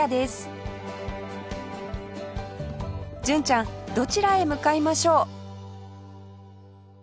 純ちゃんどちらへ向かいましょう？